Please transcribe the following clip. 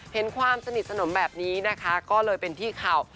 เห็นความสนิทสนมแบบนี้นะคะก็เลยเป็นที่ข่าว